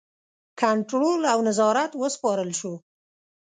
کنټرول او نظارت وسپارل شو.